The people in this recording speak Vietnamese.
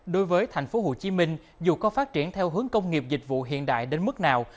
đối với tp hcm dù có phát triển theo hướng công nghiệp dịch vụ hiện đại đến mức nào